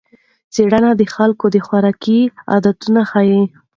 څېړنه د خلکو د خوراک عادتونه ښيي.